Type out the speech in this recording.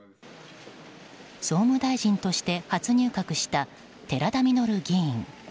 総務大臣として初入閣した寺田稔議員。